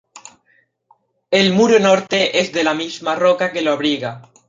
El muro norte es de la misma roca que lo abriga.